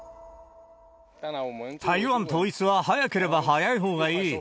台湾統一は早ければ早いほうがいい。